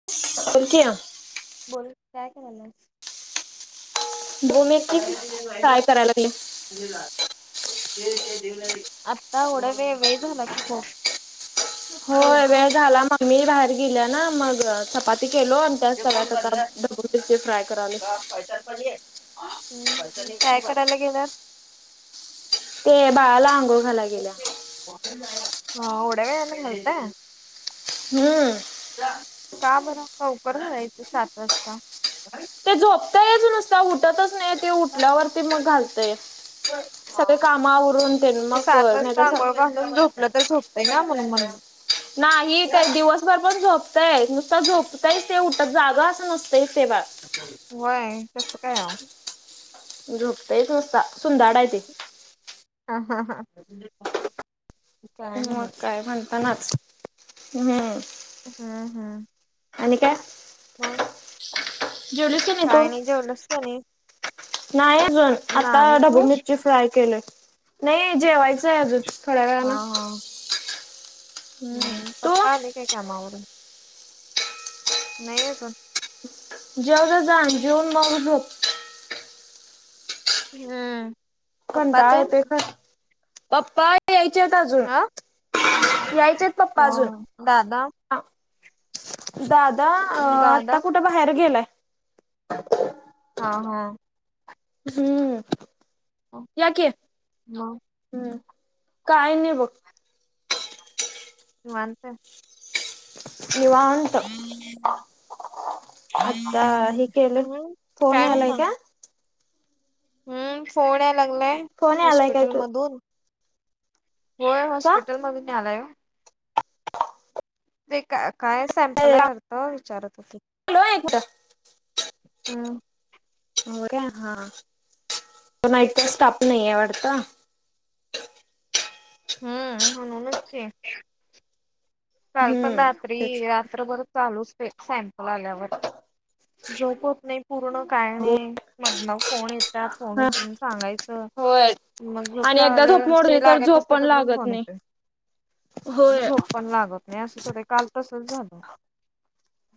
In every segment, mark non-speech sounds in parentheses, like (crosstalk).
(unintelligible) बोल, काय कराल्यास. भू (unintelligible) फ्राय करायला लागलीय. (unintelligible) आता एवढं वेळ झाला की खूप. हो लवकर. वेळ झाला मम्मी बाहेर गेल्या ना मग चपाती केलो. ते कोण काढलं (unintelligible) फ्राय करालोय. पैसा काय करायला गेल्यात. ते बाळाला अंघोळ घालाय गेल्या. ह.. येवढ्या वेळानं घालताय. हंम्म. का बरं, लवकर घालायचं सात वाजता. ते झोपतायच नुसता उठतच नाही ते उठल्यावरती मग घालतोय. सगळी काम आवरून, तेन मग नाही तर. जावून झोपलं तर झोपतंय ना म्हणून म्ह नाही ते दिवसभर पण झोपतय नुसत, झोपतयच ते उठत जाग असं नसतंयच ते बाळं. होय कस काय वो? झोपतयच नुसता सुंदाड हाय ते. हां हां हां. मग काय म्हणतानाच. हम्म.. हा हा. आणि काय? हां. जेवलीस कणी तू जेवलंस का नाही? नाही अ आता नाही ढबू तू मिरची फ्राय केली नाही जेवायचंय अजून. थोड्या हा वेळानं. हा हम्म. तू? पप्पा आले काय कामा वरून. नाही अजून, जेवजा जा आणि, जेवून मग झोप. हम्म. पप्पा कंटाळ ते येते ख पप्पा यायचेत अजून अ यायचे आहेत पप्पा हो अजून. दादा आ.. दादा अ.. आता दादा कुठे बाहेर गेलाय. हा हा. हम्म या कि. मग हम्म.. काय नाही बघ. निवांत निवांत. त आता हे केले हम्म फोन काय यालाय म्हणता का? हम्म फोन याय लागलाय फोन यालाय काय हॉस्पिटल तू? मधून. होय का? हॉस्पिटल मधून आला हो. (inaudible) ते का काय सॅम्पल आहे, वाटत विचारत होती. हॅलो एक मिनिटं. हम्म. हो रे हां.. नाईट चा स्टाप नाही आहे वाटत. हम्म. म्हणूनच की, काल पण हम्म रात्री तेच रात्रभर चालूच, ते सॅम्पल आल्यावर. झोप होत नाही पूर्ण काय हो नाही, मदन फोन येतात फोन हा उचलून सांगायचं. होय मग झोप आणि एकदा झोप मोडली तर लागत झोप असते, पण तो परेन लागत फोन नाही. येतोय. होय. झोप पण लागत नाही असं सोडी काल तसच झालं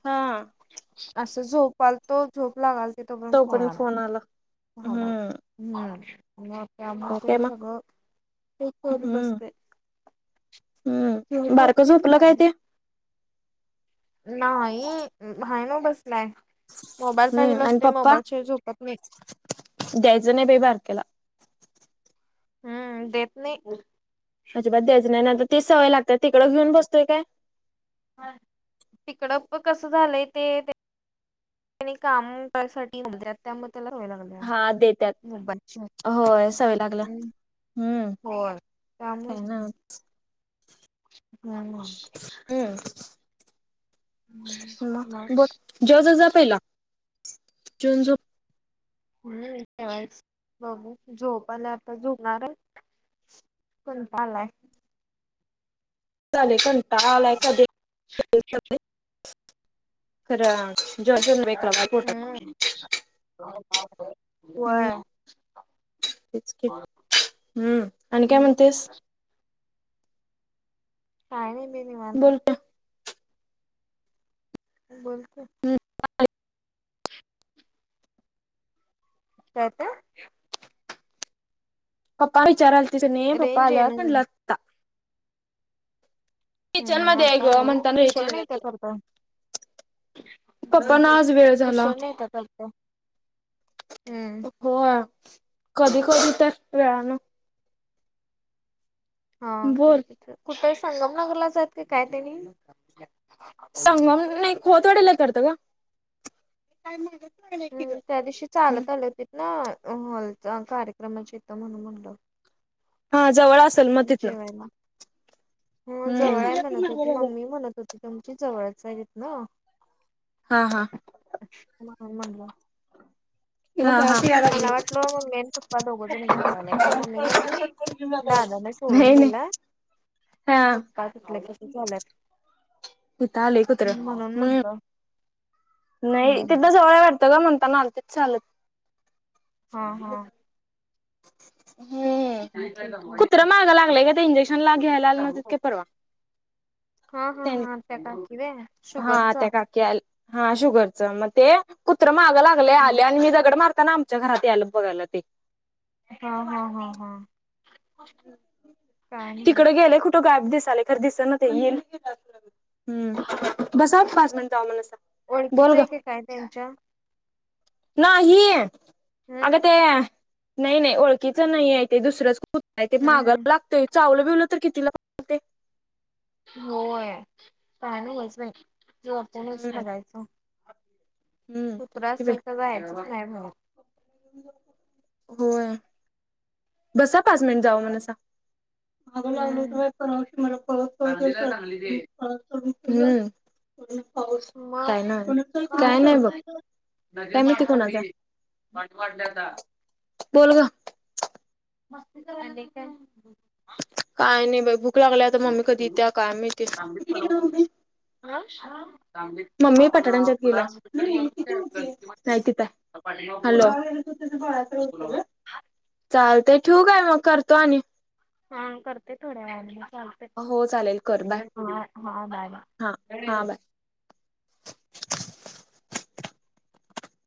हा अस झोपाल तो झोप लागाल ती, तो पर्यंत फोन आला. हम्म.. मग आणि काय त्यामुळे मग सगळं एक पोळी बसते. हम्. बारक झोपलं काय ते. नाही हाय नव्हं बसलाय, मोबाईल पाहिजेल हम्म आणि असतोय पप्पा मोबाईल शिवाय झोपत नाही. द्यायचं नाही बाई बारक्याला. हम्म देत नाही. अजिबात द्यायचं नाही नाहीतर तीच सवय लागत्या, तिकडं घेऊन बसतोय काय. हं.. तिकडं कसं झालंय ते. त्यांने कामसाठी होत्या त्यामध्ये. त्याला हा देत्यात होय सवय लागल्या (unintelligible) हम्म होय. काय त्यामुळंच ना की, हम्म. हम्म मग बघ जेवजो जा पहिला. (unintelligible) हम्म. बघू झोप‌ आल्या, आता झोपणार आहे. कोणता आलाय? कंटाळ आलाय कधी (unintelligible) खरं. जॉनसन काय बेकला पोटात हम्म. हम्म व्हयं तेच की हम्म आणि काय हम्म.. म्हणतेस काय नाही बाई निवांत आहे. बोल की बोलतोय. ह. (unintelligible) काय ते. पप्पा विचारालतीस नी पप्पा रेंज आल्यात येईना झाल्या म्हणलात. किचन हम्. मध्ये आहे आता ग आलो म्हणताना उशिरन येतेस वाटत‌. पप्पा ना आज वेळ झाला उशिरण येत्यात वाटतं हम्म. होय कधी-कधी तर श्त्रयानं हा बोल कधी (unintelligible) कुठं संगम नगरला जात का काय त्यानी? संगम नाही खोत वडीला करतय वा. हम्म त्या दिवशी चालत आले होतीत ना, हॉलचा कार्यक्रमाची इथं म्हणून म्हणलं. हां जवळ असं. जेवायला जवळ आहे हम्म म्हणत होती, मम्मी म्हणत होती. तुमची जवळच आहे तितन. हा हां. ह मंगला (unintelligible) हा हा. मला वाटल मम्मी आणि पप्प पप्पा दोघंजन आलात मग मम्मी मम्मी म्हणली दादा न सोडून नाही नाही गेला हा पप्पा तिथल्या कसं झाल्यात इथं आलंय कुत्र म्हणून हम्म म्हटलं. नाही हम्म तिथं जवळ वाटतं गं, म्हणताना आलती चालतं. हम्म हम्म हम्म. कुत्र मागं लागलाय गं ते, इंजेक्शन ला घ्यायला आले हा नव्हते परवा. हा हा त्यां हा.. त्या काकी व्हयं. हा त्या काकी हा शुगरच मग, ते कुत्र माग लागले आले आणि मी दगड मार म्हणताना आमच्या घरात आलंय बघालं ते. हां हां हां हां.. तिकड नव्ह गेले कुठं गायब दिसाले, खर दिसना ते येईल. हम्म. बस आ पाच मिनिट जावा म्हणसा. बोल ओळखीचं ग आहे का, काय तेच्या. नाही हम्म आगं ते. नाही नाहीओळखीच नाही आहे ते दुसरंच कूत्र आहे ते हम्म मागा हम्म लागतं चावलं बिवलं तर किती लाग होय. काय नव्हच बाई (unintelligible) हम्म बघायचं. हम्म तेच कुत्र की बाई असलं, तर जायचं नाही म्हणून. होय. बसा पाच मिनिटं, जावं म्हण सां. मागं लागल हम्म होत परवा सांगलीला आहे दिवशी सांगली ते मला (unintelligible) हम्म. मग काय नाही काय नाही बघ, काय माहिती कोणाचाय. बंद पडलय आता. बोलग आणि काय. काय नाही बाई भूक लागल्या, आता मम्मी कधी येत्या काय माहिती. हा शाम. मम्मी पटाडेच्यात गेल्या, गेलो त्या नाही तिथं आहे. पाठीमाग पूल हॅलो, आहे त्या पुलावर चालतंय ठीवू काय, मग करतो आणि. हा करते थोड्या वेळाने चाल हो चालेल कर बाय हा हा.. बाय हा हा बाय.